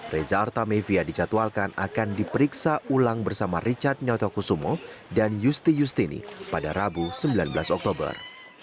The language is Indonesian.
reza artamevia dicatwalkan akan diperiksa ulang bersama richard nyoto kusumo dan yusti yustini pada rabu sembilan belas oktober